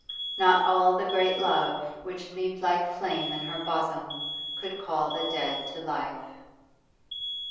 Not all the great love which leaped like flame in her bosom could call the dead to life.